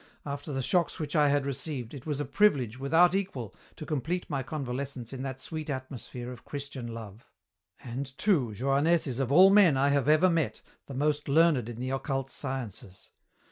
After the shocks which I had received, it was a privilege without equal to complete my convalescence in that sweet atmosphere of Christian Love. And, too, Johannès is of all men I have ever met the most learned in the occult sciences.